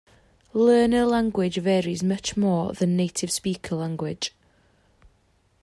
Learner language varies much more than native-speaker language.